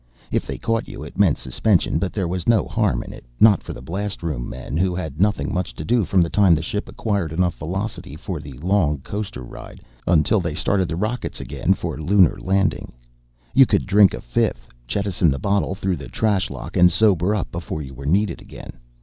If they caught you, it meant suspension, but there was no harm in it, not for the blastroom men who had nothing much to do from the time the ship acquired enough velocity for the long, long coaster ride until they started the rockets again for Lunar landing. You could drink a fifth, jettison the bottle through the trash lock, and sober up before you were needed again.